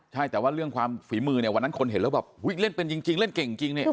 ใช่แต่ว่าเรื่องความฝีมือเนี่ยวันนั้นคนเห็นแล้วแบบอุ๊ยเล่นเป็นจริงเล่นเก่งจริงเนี่ย